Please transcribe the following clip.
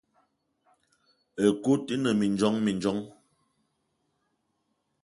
Ekut ine mindjong mindjong.